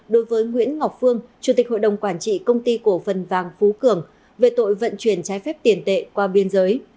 đối với nguyễn ngọc phương chủ tịch hội đồng quản trị công ty cổ phần vàng phú cường về tội vận chuyển trái phép tiền tệ qua biên giới